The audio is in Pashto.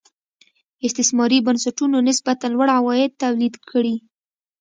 استثماري بنسټونو نسبتا لوړ عواید تولید کړي.